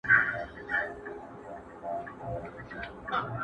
له عرب تر چین ماچینه مي دېرې دي!